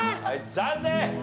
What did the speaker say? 残念！